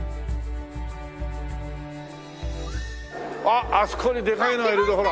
あっあそこにでかいのがいるぞほら。